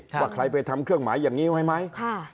ว่าใครไปทำเครื่องหมายอย่างนี้ไว้ไหม